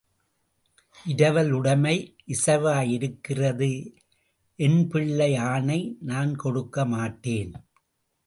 இரவல் உடைமை இசைவாய் இருக்கிறது என் பிள்ளை ஆணை, நான் கொடுக்கமாட்டேன்.